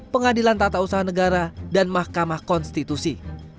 pengadilan tata usaha negara dan mahkamah konstitusi